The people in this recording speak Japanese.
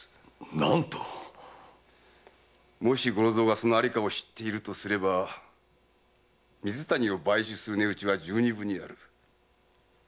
何と⁉もし五六蔵がその在処を知っているとすれば水谷を買収する値打ちは十二分にある。